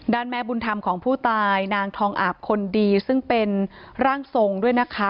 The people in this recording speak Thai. แม่บุญธรรมของผู้ตายนางทองอาบคนดีซึ่งเป็นร่างทรงด้วยนะคะ